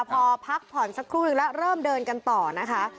พอพักผ่อนสักครู่นึงแล้วเริ่มเดินกันต่อนะคะ